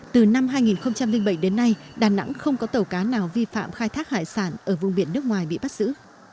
từ năm hai nghìn bảy đến nay đà nẵng không có tàu cá nào vi phạm khai thác hải sản ở vùng biển nước ngoài bị bắt giữ